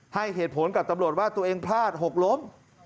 ให้เหตุผลกับตำรวจว่าตัวเองพลาดหกล้ม